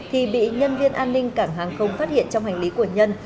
thì bị nhân viên an ninh cảng hàng không phát hiện trong hành lý của nhân